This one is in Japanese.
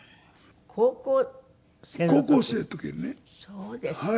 そうですか。